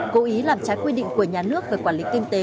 cố ý làm trái quy định của nhà nước về quản lý kinh tế